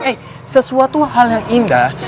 eh sesuatu hal yang indah